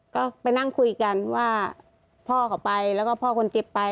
ก็ไปนั่งคุยกันว่าพ่อเขาไปแล้วก็พ่อคนเจ็บไป